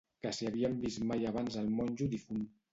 Que si havíem vist mai abans el monjo difunt.